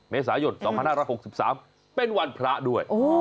เมษายน๒๕๖๓เป็นวันพระด้วย